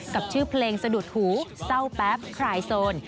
กับชื่อเพลงสะดุดหูเศร้าแป๊บคลายโซน